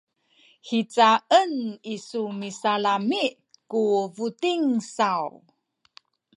hicaen isu misalami’ ku buting saw?